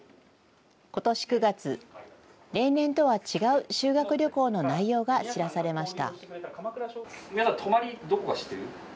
ことし９月、例年とは違う修学旅行の内容が知らされました。